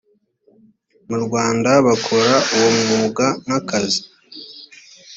mu rwanda bakora uwo mwuga nkakazi.